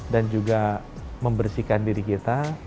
dan juga membersihkan diri kita